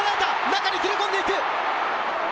中に切り込んでいく。